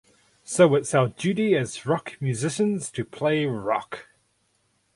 So it’s our duty as rock musicians to play rock.